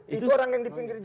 itu orang yang di pinggir jalan